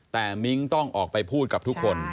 แต่มิ้งต้องออกไปพูดกับทุกคน